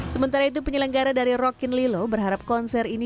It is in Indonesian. sementara itu penyelenggara dari rokin lilo berharap konser ini